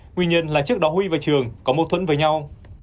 nguyên nhân là trước đó huy và trường có mâu thuẫn với nhau